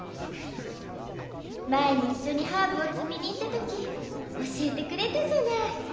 まえにいっしょにハーブをつみにいったときおしえてくれたじゃない。